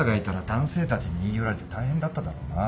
男性たちに言い寄られて大変だっただろうな。